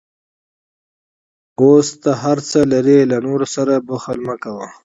اوس ته هر څه لرې، له نورو سره بخل مه کوه.